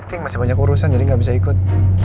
meeting masih banyak urusan jadi gak bisa ikut